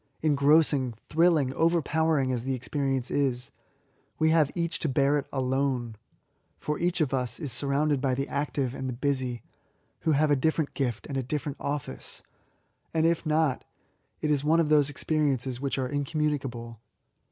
Engrossing; thrilling^ overpowering as the experience is, we have each to bear it alone ; for each of us is surrounded by the active and the busy^ who have a different gift and a different office ;— and if not^ it is one of those experiences which are incommunicable.